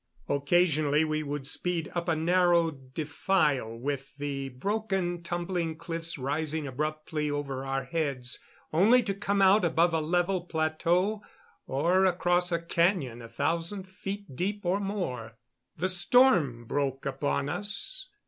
Occasionally we would speed up a narrow defile, with the broken, tumbling cliffs rising abruptly over our heads, only to come out above a level plateau or across a cañon a thousand feet deep or more. The storm broke upon us.